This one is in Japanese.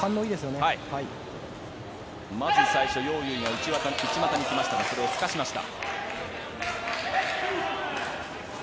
まず最初、ヨウ・ユウイが内股に来ましたがそれをすかしました。